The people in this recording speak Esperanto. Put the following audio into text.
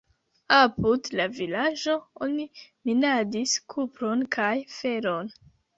Apud la vilaĝo oni minadis kupron kaj feron.